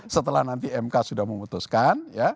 setelah nanti mk sudah memutuskan